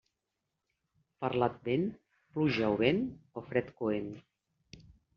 Per l'Advent, pluja o vent o fred coent.